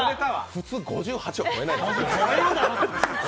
普通、５８は超えないですよ。